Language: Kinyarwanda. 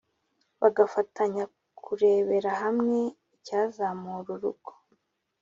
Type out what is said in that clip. bagafatanya kurebera hamwe icyazamura urugo